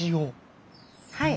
はい。